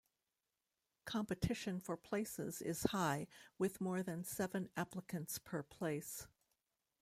Competition for places is high, with more than seven applicants per place.